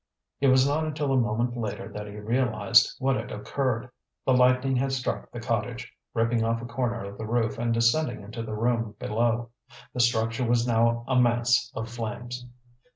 It was not until a moment later that he realized what had occurred. The lightning had struck the cottage, ripping off a corner of the roof and descending into the room below. The structure was now a mass of flames.